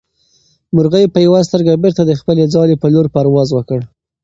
مرغۍ په یوه سترګه بېرته د خپلې ځالې په لور پرواز وکړ.